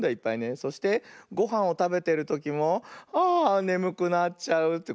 そしてごはんをたべてるときも「ああねむくなっちゃう」ってこうなっちゃうね。